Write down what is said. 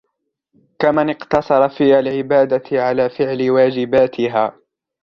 كَمَنْ اقْتَصَرَ فِي الْعِبَادَةِ عَلَى فِعْلِ وَاجِبَاتِهَا